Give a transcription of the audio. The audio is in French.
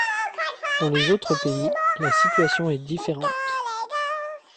Dans les autres pays, la situation est différente.